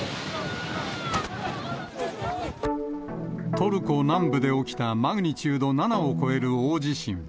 トルコ南部で起きたマグニチュード７を超える大地震。